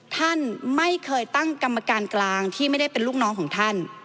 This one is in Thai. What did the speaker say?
ท่านไม่เคยตั้งกรรมการกลางที่ไม่ได้เป็นลูกน้องของท่าน